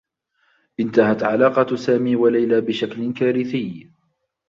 انتهت علاقة سامي و ليلى بشكل كارثيّ.